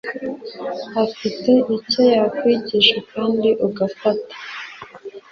afite icyo yakwigisha kandi ugafata